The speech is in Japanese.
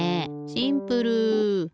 シンプル！